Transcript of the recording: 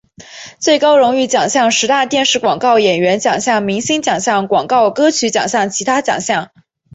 最高荣誉奖项十大电视广告演员奖项明星奖项广告歌曲奖项其他奖项